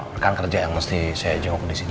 rekan kerja yang mesti saya jawab di sini